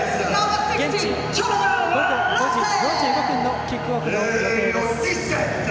現地、午後５時４５分のキックオフの予定です。